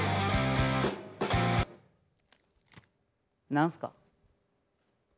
何すか？